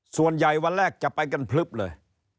ส่วนใหญ่วันแรกจะไปกันพลึบเลย